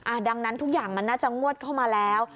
ดังนั้นทุกอย่างมันน่าจะงวดเข้ามาแล้ว